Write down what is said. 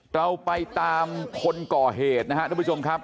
เราไปตามคนก่อเหตุนะครับทุกผู้ชมครับ